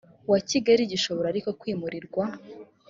wa kigali gishobora ariko kwimurirwa